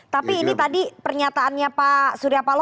tapi ini tadi pernyataannya pak surya palo